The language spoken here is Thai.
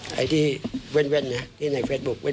ไปเที่ยวด้วยกันสัตว์ทีมาครั้งเดียว